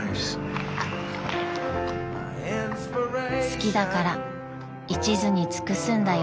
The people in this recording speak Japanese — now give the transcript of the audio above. ［「好きだからいちずに尽くすんだよ」］